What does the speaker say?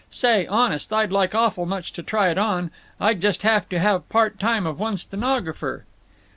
Say, honest, I'd like awful much to try it on. I'd just have to have part time of one stenographer."